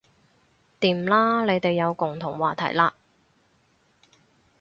掂啦你哋有共同話題喇